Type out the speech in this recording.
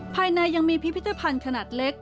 ภายในยังมีพิพิธภัณฑ์ขนาดเล็ก